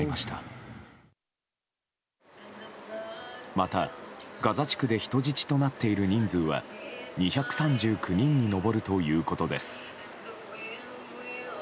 また、ガザ地区で人質となっている人数は２３９人に上るということです。